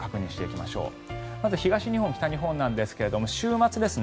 まず東日本、北日本なんですが週末ですね